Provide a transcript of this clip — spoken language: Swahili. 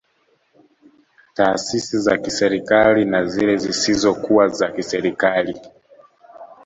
Taasisi za kiserikali na zile zisizo kuwa za kiserikali